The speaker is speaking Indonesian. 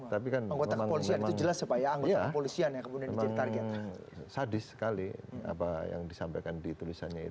tapi kan memang sadis sekali apa yang disampaikan di tulisannya itu